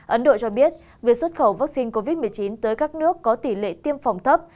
ấn độ cho biết việc xuất khẩu vaccine covid một mươi chín tới các nước có tỷ lệ tiêm phòng thấp